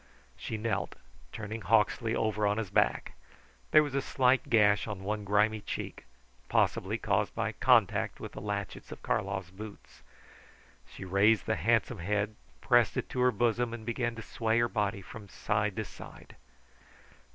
She knelt, turning Hawksley over on his back. There was a slight gash on one grimy cheek, possibly caused by contact with the latchets of Karlov's boots. She raised the handsome head, pressed it to her bosom, and began to sway her body from side to side.